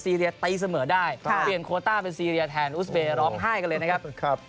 เรียตีเสมอได้เปลี่ยนโคต้าเป็นซีเรียแทนอุสเบย์ร้องไห้กันเลยนะครับ